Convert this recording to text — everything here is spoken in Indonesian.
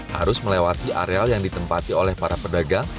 harus melewati areal yang ditempati oleh para pedagang